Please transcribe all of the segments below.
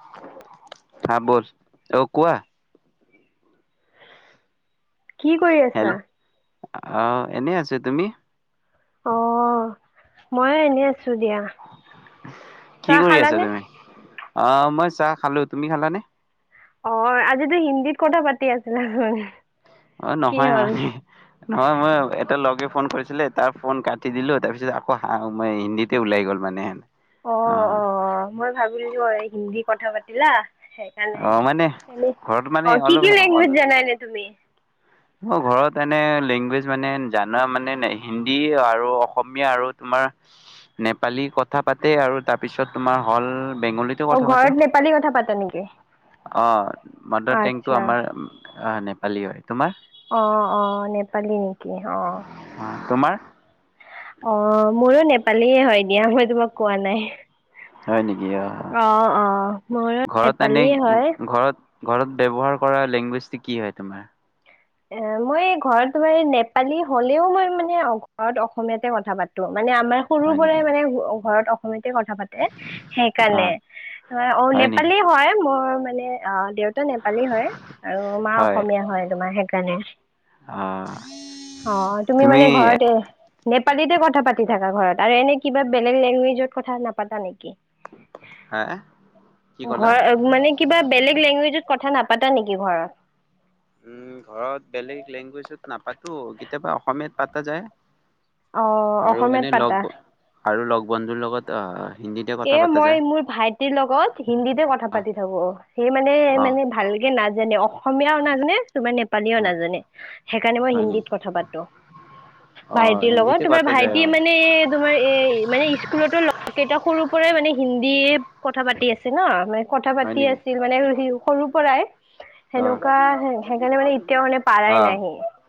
[unintelligible] অ', কোৱা। কি কৰি আছা? আহ, এনেই আছে। তুমি? অঁ, মইও এনে আছো আছো দিয়া। কি চাহ কৰি আছা খালানে? তুমি অ', মই চাহ খালো। তুমি খালানে? অ', আজিতো হিন্দীত কথা পাতি আছিলা মানে? অ', নহয় মানে নহয় মই এটা লগে ফোন কৰিছিলে তাৰ ফোন কাটি দিলো তাৰ পিছত আকৌ হা মই হিন্দীতে ওলাই গ'ল। মানে অ', অ', মই ভাবিলো এই হিন্দী কথা পাতিলা। সেইকাৰণে অ মানে এনে। ঘৰত মানে অ', কি কি লেংগুৱেজ জানা তুমি? মোৰ ঘৰত এনে লেংগুৱেজ মানে জানা মানে হিন্দী আৰু অসমীয়া আৰু তোমা াৰ নেপালী কথা পাতে আৰু তাৰপিছত তোমাৰ হ'ল বেংগলীতো অ', কথা ঘৰত নেপালী কথা পাতা নেকি? অঁ, মাদাৰ টেংকটো আচ্ছা, আমাৰ নেপালী হয়। তোমাৰ? অ', অ', নেপালি নি! তোমাৰ? অ', মোৰো নেপালীয়ে হয় দিয়া, মই তোমাক কোৱা নাই। হয় নেকি? অ', অ', মোৰো ঘৰত এনে, নেপালীয়ে হয়। ঘৰত ঘৰত ব্যৱহাৰ কৰা লেংগুৱেজটো কি হয় তোমাৰ? এ মই ঘৰত তোমাৰ নেপালী হলেও মই মানে ঘৰত অসমীয়াতে কথা পাতো। মানে আমাৰ সৰু হয় নেকি পৰাই মানে ঘৰত অসমীয়া পা, অ সেইকাৰণে, অ', হয় নেকি নেপালী হয় মোৰ মানে, অ দেউতা নেপালী হয় আৰু মা অসমীয়া হয় তোমাৰ, সেই জানে। অ অ', তুমি মানে ঘৰতে নেপালীতে কথা পাতি থকা ঘৰত আৰু এনে কিবা বেলেগ লেংগুৱেজত কথা নাপাতা নেকি? হা কি ক'লা ঘৰ, মানে কিবা বেলেগ লেংগুৱেজত কথা নাপা পাতা নেকি ঘৰত? উম, ঘৰত বেলেগ লেংগুৱেজত নাপাতো কেতিয়াবা অসমীয়াত পাতা যায়। অ আৰু অসমীয়াত এনেই লগ পাতা ব আৰু লগ বন্ধুৰ লগত অ। এ মই মোৰ ভাইটিৰ লগত হিন্দীতে কথা অ পাতি থাকো সেই মানে অ মানে ভালকে নাচ। অসমীয়াও নাজানে তোমাৰ নেপালীও অ নাজানে সেইকাৰণে মই হয় নেকি হিন্দীত কথা পাতোঁ। অ ভাইটিৰ লগত হিন্দীতে তোমাৰ পতা যায় ভাইটি অ মানে এ তোমাৰ এ মানে স্কুলতো লগৰ কেইটা সৰু। হিন্দী কথা পাতি আছে নহ আমাৰ। কথা হয় পাতি নেকি আছিল মানে সৰুৰ পৰাই অ সেনেকুৱা সেইকাৰণে মানে এতিয়া মানে পাৰ। অ [unintelligible]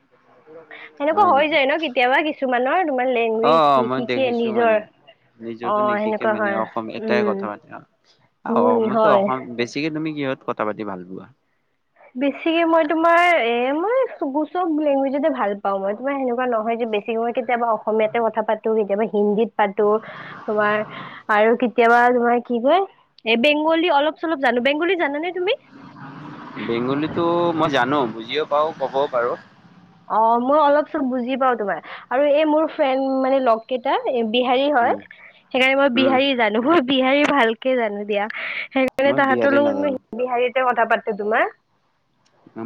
সেনেকুৱা হয় হৈ নেকি? যায় ন কেতিয়াবা কিছুমানৰ তোমাৰ লেংগুৱেজ নিশিকে নিজৰ। অ নিজটো নিশিকে সেনেকুৱা মানে হয় অসম এটাই উম কথা পাতে। উম অসমতো হয় অসম বেছিকে তুমি কিহত কথা পাতি ভাল পোৱা? বেছিকে, মই তোমাৰ এ, মই চব, চব লেংগুৱেজতে ভাল পাও, মই তোমাৰ সেনেকুৱা নহয় যে বেছিকয় কেতিয়াবা অসমীয়াতে কথা পাতো কেতিয়াবা হিন্দীত পাতো তোমাৰ আৰু কেতিয়াবা। [unintelligible] কি কয় এই বেংগলী অলপ চলপ জানো বেংগলী জানানে তুমি। বেংগলীতো মই জানো বুজিও পাওঁ ক'বও পাৰোঁ। অ মই অলপ চলপ বুজি পাওঁ তোমাৰ আৰু এই মোৰ ফ্ৰেণ্ড মানে লগ কেইটা। বিহাৰী হয় উম, সেইকাৰণে মই উম, বিহাৰী জানো বিহাৰী ভালকে জানো দিয়া। সেইকাৰণে মই বিহাৰী তাহাঁতৰ লগত নাজানো। বিহাৰীতে কথা পাতোঁ তোমাৰ।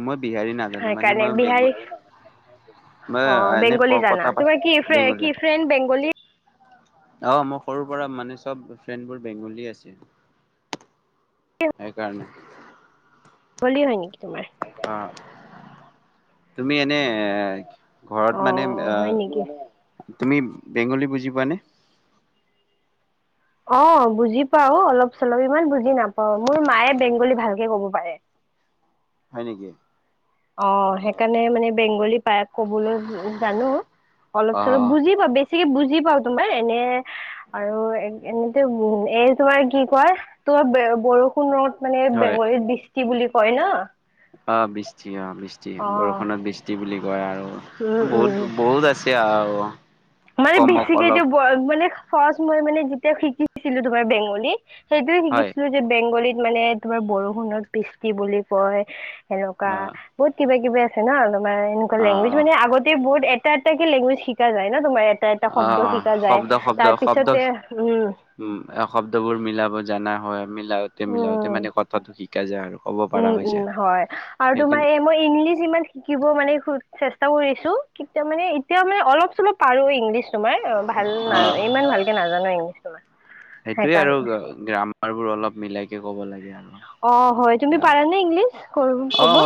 মই বিহাৰী নাজানোঁ মানে সেইকাৰণে মই বিহাৰী বেংগলী। মই অ বেংগলী এনেই জানা কথা তোমাৰ কি পাতোঁ ফ্ৰে- কি বেংগলী। ফ্ৰেণ্ড বেংগলী অ মোৰ সৰুৰ পৰা মানে চব ফ্ৰেণ্ডবোৰ বেংগলী আছে। সেইকাৰণে। বলি হয় নেকি তোমাৰ। অ' তুমি এনে এ ঘৰত মানে অ' হয় নেকি? আহ তুমি। বেংগলী বুজি পোৱানে। অ বুজি পাওঁ অলপ চলপ ইমান বুজি নাপাওঁ মোৰ মায়ে বেংগলী ভালকে ক'ব পাৰে। [inaudible] হয় নেকি। অ সেইকাৰণে মানে বেংগলী পায়াক কবলৈ জানো। অলপ চলপ অ', বুজি পাওঁ বেছিকে বুজি পাওঁ তোমাৰ এনে। আৰু এ এনেতে উম এ তোমাৰ কি কয় তোমাৰ বৰষুণত। মানে হয় বেংগলীত বৃষ্টি বুলি কয় নহ। অ বৃষ্টি অ বৃষ্টি অ' বৰষুণত বৃষ্টি বুলি কয় উম আৰু। উম বহুত বহুত আছে আহ। মানে বেছিকে মানে ফাষ্ট মই মানে যেতিয়া শিকিছিলো তোমাৰ বেংগলী। সেইটোয়ে হয় শিকিছিলো যে বেংগলীত মানে তোমাৰ বৰষুণত বৃষ্টি বুলি কয়। এনেকুৱা অ', বহুত কিবা কিবি আছে নহ তোমাৰ এনেকুৱা অ', লেংগুৱেজ অ'। মানে আগতে বহুত। এটা এটাকে লেংগুৱেজ শিকা যায় না তোমাৰ এটা এটা অ', শব্দ অ শিকা যায় শব্দ শব্দ তাৰ শব্দ পিছতে উম। উম শব্দবোৰ মিলাব জানা হয় মিলাওতে মিলাওতে উম মানে কথাটো শিকা যায় আৰু। ক'ব পাৰা উম হৈ উম যায়। হয় আৰু তোমাৰ সেইকাৰণে এই মই ইংলিছ ইমান শিকিব মানে। চেষ্টা কৰিছোঁ কেতিয়া মানে এতিয়া মানে অলপ চলপ পাৰোঁ ইংলিছ। তোমাৰ ভাল অ', নাজ ইমান ভালকে নাজানো ইংলিছ তোমাৰ। সেইটোয়ে আৰু সেইকাৰণে গ্ৰামাৰ বোৰ অলপ মিলাই কে ক'ব লাগে আৰু। অ হয় তুমি অ', পাৰা নে ইংলিছ ক'ব।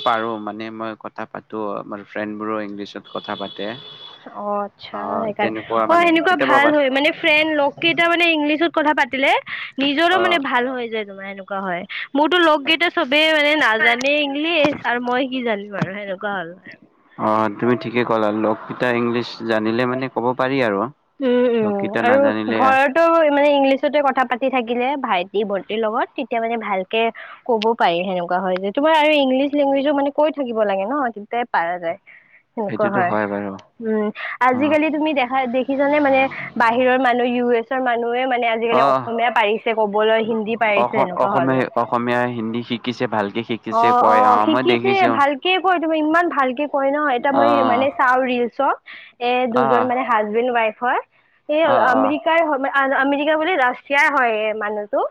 পাৰোঁ মানে মই কথা পাতো আমাৰ ফ্ৰেণ্ড বোৰো ইংলিছত কথা পাতো। অ আচ্ছা সেইকাৰণে তেনেকুৱা অ মানে সেনেকুৱা কেতিয়াবা ভাল বাছ হয় মানে ফ্ৰেণ্ড লগ। কেইটা মানে ইংলিছত কথা পাতিলে নিজৰো মানে অ'। ভাল হৈ যায় তোমাৰ এনেকুৱা হয়। মোৰতো লগ কেইটা চবেই মানে নাজানেই ইংলিছ আৰু মই কি জানিম আৰু সেনেকুৱা হ'ল আৰু। অ' তুমি ঠিকে ক'লা লগ কেইটা ইংলিছ জানিলে মানে ক'ব পাৰি আৰু। উম উম লগকেইটা আৰু নাজানিলে ঘৰতো। মানে ইংলিছতে কথা পাতি থাকিলে ভাইটি ভণ্টিৰ লগত তেতিয়া মানে ভালকে ক'ব পাৰি সেনেকে তেনেকুৱা হয় যে তোমাৰ আৰু ইংলিছ লেংগুৱেজো মানে কৈ থাকিব লাগে ন কিন্তুে পাৰা যায়। সেনেকুৱা সেইটোতো হয়। বাৰু উম, অ'। আজিকালি তুমি দেখা দেখি চানে মানে বাহিৰৰ মানুহ ইউ এছৰ মানুহ ে মানে আজিকালি অ' অসমীয়া পাৰিছে কবলৈ হিন্দী পাৰিছে অসম সেনেকুৱা হ'ল। অসমীয়া অসমীয়া হিন্দী শিকিছে ভালকে শিকিছে অ', কয় অ', মই শিকিছে দেখিছোঁ। ভালকে কৰি ইমান ভালকে কয় নহ এটা মই অ' মানে চাওঁ ৰিলচত এ দুজন অ' মানে হাছ। ৱাইফ হয় অ' অ' আমেৰিকাৰ। আমেৰিকা বুলি ৰাছিয়াৰ হয় মানুহটো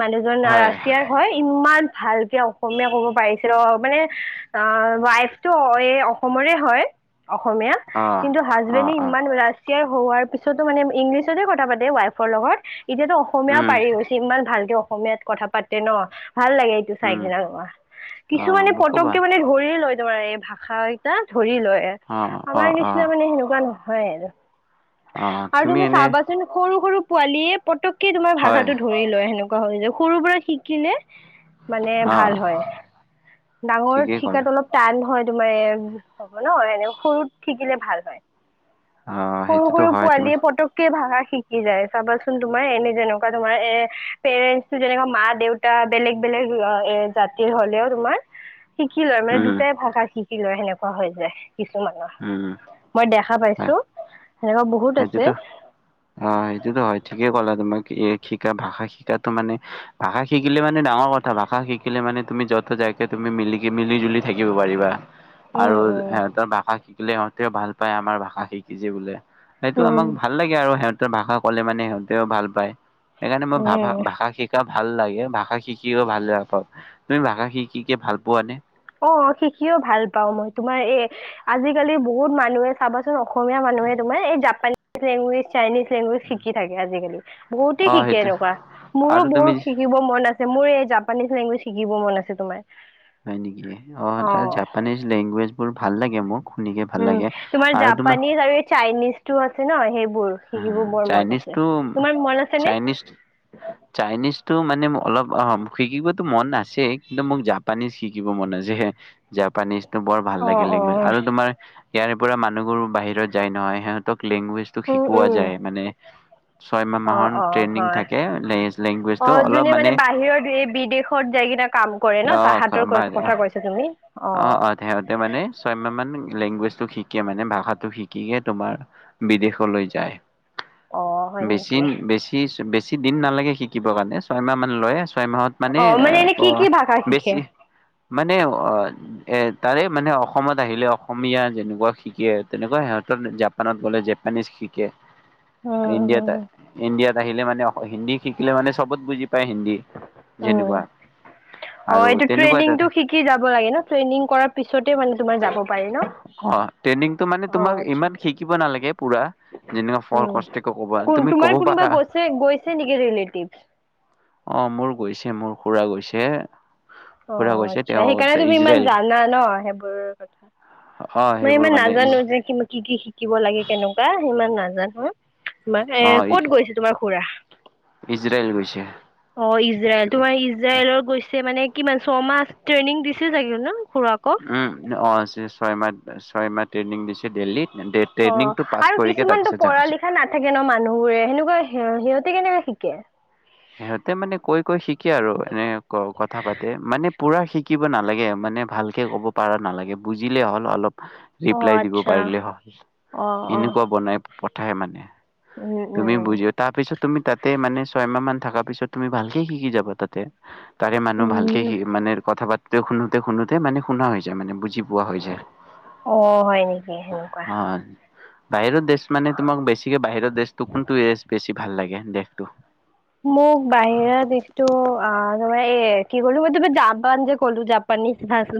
মানুহজন হয় ৰাছিয়াৰ হয় ইমান। ভালকে অসমীয়া ক'ব পাৰিছিল মানে অ ৱাইফটো এই অসমৰে হয়। অসমীয়া অ'। কিন্তু হাজবেণ্ডে অ' অ' ইমান। [unintelligible] হোৱাৰ পিছতো মানে ইংলিছতে কথা পাতে ৱাইফৰ লগত। এতিয়াতো অসমীয়াও উম পাৰি গৈছে, ইমান ভালকে অসমীয়াত কথা পাতে ন। ভাল লাগে এইটো উম চাইকিনে ৰবা, অ' কিছুমানে মোকো ভাল পটককে মানে ধৰিয়ে লৈ তোমাৰ এই ভাষা কেইটা ধৰি লয়, অ' আমাৰ অ' নিচিনা অ'। মানে সেনেকুৱা নহয় আৰু। অ' আৰু তুমি এনে চাবাচোন সৰু সৰু পোৱালিয়ে পতকে তোমাৰ হয় ভাষাটো ধৰি লয় সেনেকুৱা হল যে সৰু পৰা শিকিলে মানে অ' ভাল হয়। ঠিকেই ডাঙৰত ক'লা শিকাতো অলপ টান হয় তোমাৰ হ'ব ন, এনে সৰুত শিকিলে ভাল হয়। অ' সৰু সেইটোতো সৰু হয় তুমি পোৱালীয়ে পটককে ভাষা শি শিকি যায় চাবাচোন তোমাৰ এনে যেনেকুৱা তোমাৰ, এ পেৰেণ্টো যেনেকা মা দেউতা বেলেগ বেলেগ এ জাতিৰ হ'লেও তোমাৰ শিকি লয় মানে উম। দুটাই ভাষাত শিকি লয়, সেনেকুৱা হৈ যায় কিছুমানৰ, উম, মই দেখা হয় পাইছো। চো। সেইটোতো অ', সেইটোতো হয় ঠিকেই কলা তোমাক, এ শিকা ভাষা শিকা মানে ভাষা শিকিলে মানে ডাঙৰ কথা ভাষা শিকিলে মানে তুমি যত যাকে তুমি মি মিলিকি, মিলি জুলি থাকিব পাৰিবা। আৰু উম উম সিহঁতৰ ভাষা শিকিলে সিহঁতে ভাল পায় আমাৰ ভাষা শিকিছে বোলে। সেইটো উম আমাক ভাল লাগে আৰু সিহঁতৰ ভাষা কলে মানে সিহঁতেও ভাল পায়। সেইকাৰণে মই ভা, উম ভাষা শিকা ভাল লাগে ভাষা শিকিও ভাল পাও, তুমি ভাষা শিকিকে ভাল পোৱা নে? অ শিকিও ভাল পাও মই, তোমাৰ এ আজিকালি বহুত মানুহে চাবাচোন অসমীয়া মানুহে এই জাপানী লেংগোৱেজ চাইনিজ লেংগুৱেজ শিকি থাকে আজিকালি বহুতেই অ' শিকে সেইটো এনেকুৱা মোৰো আৰু তুমি বহু শিকিব মন আছে। মোৰ এই জাপানিজ লেংগুৱেজ শিকিব মন আছে তোমাৰ। হয় নেকি? অ', তাৰ জাপানীজ লেংগুৱেজ বোৰ ভাল লাগে মোক। শুনিকে ভাল উম, লাগে। তোমাৰ জাপানিজ আৰু এই চাইনিজ টো আছে ন? সেইব বোৰ হা, শিকিবোৰ বৰ মন আছে চাইনিজটো, তোমাৰ মন আছে নে? তো মানে অলপ অ শিকিবতো মন আছে কিন্তু মোক জাপানিজ শিকিব মন আছে। হ জাপানিজ বৰ ভাল অ লাগিল অ লেংগুৱেজ আৰু তোমাৰ ইয়াৰে পৰা মানুহবোৰ বাহিৰত যায় নহয় সিহঁতক লেংগুৱেজ টো উম শিকোৱা উম যায় মানে ছয়মাহ অ', মাহৰ অ', ট্ৰেইনিং হয়। থাকে লেংগুৱেজটো অ', অলপ যোনে মানে বাহিৰত এই বিদেশত যাই কিনা কাম কৰে ন, তাহাতৰ অ', কথা কৈছ তুমি? অ', অ', সিহঁতে মানে ছয় মাহমান লেংগুৱেজ তো শিকে মানে ভাষাটো শিকিকে তোমাৰ বিদেশলৈ যায়। অ হয় বেছি, নেকি বেছি, বেছি দিন নালাগে শিকিবৰ কাৰণে ছয়মাহ মান লৈ আছ ছয় মাহত মানে অ এনে কি কি ভাষা শিকে বেছি, মানে, অ এ তাৰে মানে অসমত আহিলে অসমীয়া যেনেকুৱা শিকে আৰু তেনেকুৱা সিহঁতৰ জাপানত গ'লে যা জাপানীজ শিকে। উম উম ইণ্ডিয়াত, ইণ্ডিয়াত আহিলে মানে হিন্দী শিকিলে মানে চবত বুজি পায় হিন্দী। উম যেনেকুৱা অ আৰু এইটো তেনেকুৱা এটা ট্ৰেইনিংটো শিকি যাব লাগে ন? ট্ৰেইনিং কৰাৰ পিছতে মানে তুমাৰ যাব পাৰি ন। অ' ট্ৰেইনিংটো মানে অ তোমাক আচ্ছা ইমান শিকিব নালাগে পুৰা যেনেকুৱা ফল উম কষ্ট কব কোন তুমি। ক'ব তোমাৰ কোনোবা পাৰা গৈছে গৈছে নেকি ৰিলেটিভ। অ' মোৰ গৈছে মোৰ খুৰা গৈছে। খুৰা অ' গৈছে আচ্ছা তেওঁ সেইকাৰণে তুমি ইমান ইজৰাইল জানা ন সেইবোৰ কথা। অ মই সেইবোৰ ইমান মানে ইজ নাজানো যে কি, কি কি শিকিব লাগে কেনেকুৱা ইমান নাজানো। তোমাৰ এ অ ক'ত গৈছে তোমাৰ খুৰা? ইজৰাইল গৈছে অ', ইজৰাইল তোমাৰ ইজৰাইলত গৈছে মানে কিমান ছমাহ ট্ৰেইনিং দিছিল চাগে ন? খুৰাকক উম', অ', ছয় মাহ ছয় মাহ ট্ৰেইনিং দিছে দেল্লিত। অ' আৰু কিছুমানতো যাব পঢ়া লিখা নাথাকে ন মানুহবোৰে সেনেকুৱা সিহঁত কেনে শিকে সিহঁতে মানে কৈ কৈ শিকে আৰু এনে কথা পাতে মানে পুৰা শিকিব নালাগে মানে। ম ভালকে ক'ব পৰাৰা নালাগে বুজিলেই হ'ল অলপ। অ ৰিপ্লাই দিব আচ্ছা পাৰিলে সহজ অ অ এনেকুৱা বনাই। পঠায় মানে উম তুমি উম বুজিও তাৰ পিছত তুমি তাতে মানে ছয়মাহ মান। থ পিছত তুমি ভালকে শিকি যাবা তাতে তাৰে মানুহ ভালকে উম শ মানে কথা। শুতে শুতে মানে শুনা হৈ যায় বুজি [unintelligible] ৱা হৈছে অ হয় নেকি সেনেকুৱা অ'। বাহিৰৰ দেশ মানে তোমাক বেছিকে বাহিৰৰ দেশটো কোনটো বেছি ভাল লাগে দেশটো। মোক বাহিৰা দিশতটো আৰু মই এ কি কলো মই তম জাপান যে ক'লো জাপানি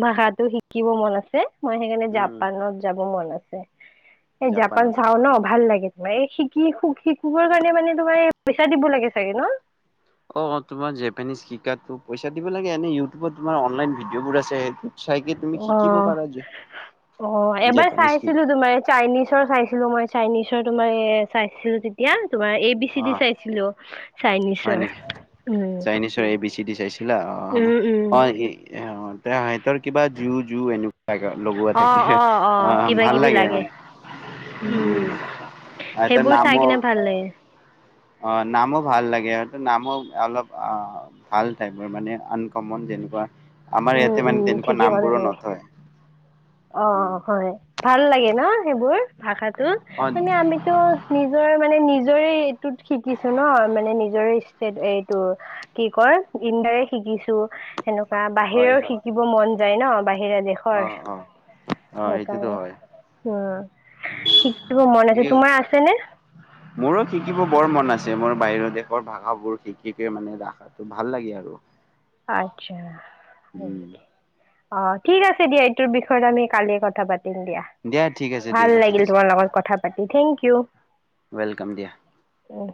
ভাষাটো শিকিব মন আছে। মই সেইকাৰণে উম জাপানত যাব মন আছে এই জাপান জাপানত চাও ন ভাল লাগে। ম এই শিকি শিকৰ কাৰণে মানে তোমাৰ পইচা দিব লাগে চাগে ন। অ' তোমাৰ জেপানিজ শিকাটো পইচা দিব লাগে এনে ইউটিউবত তোমাৰ অনলাইন ভিডিঅ' বোৰ আছে সেইটো তুমি ন শিকিব অ পাৰা যে। অ' এবাৰ জেপানিজ কি চাইছিলো তোমাৰ চাইনিজৰ চাইছিলো মই চাইনিজৰ তোমাৰ চাইছিলো তেতিয়া তোমাৰ A B C O D চাইছিলো হয় চাইনিজৰ নেকি উম। ছিলা অ', উম অ', অ' উম সিহতৰ কিবা জু জু এনেকুৱা লগোৱা অ থাকিল। অ অ' কিবা ভাল কিবি লাগে। উম এটা সেইবোৰ নাম। চাই কিনে ভাল লাগে অ' নামো ভাল লাগে হয়ো নামো অলপ ভাল ঠাইপৰ মানে আনকমন যেনেকুৱা আমাৰ উম ইয়াতে মানে উম তেনেকুৱা ঠিকেই নাম ক'লা বোৰো তুমি নথয়। উম, অ' হয় ভাল লাগে ন। সেবোৰ ভাষাটো অ' মানে আমিতো নিজৰ মানে নিজৰে তত শিকিছো ন মানে নিজৰে এইটো কি কৰ ইণ্ডাৰে শিকিছো সেনেকুৱা। হয় বাহিৰও হয় শিকিব মন যায় ন বাহিৰা দেশৰ। অ' অ' অ' সেইটোতো সেইকাৰণে হয় উম শিকিব মন আছে ঠিকে কৈছে। তোমাৰ আছে নে। মোৰো শিকিব বৰ মন আছে। যে মোৰ বাহিৰৰ দেশৰ ভাষাাবোৰ শিকিক মানে ৰাখাতটো ভাল লাগে আৰু। আচ্ছা উম, হয়। অ' ঠিক আছে দিয়া এইটোৰ বিষয়ত আমি কালিয়ে কথা পাতি ম দিয়া ঠিক আছে ভাল দিয়া ঠিক লাগিল আছে। তোমাৰ লগত কথা পাতি থেংক ইউ। ৱেলকাম দিয়া। অ'।